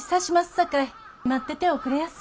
さかい待ってておくれやす。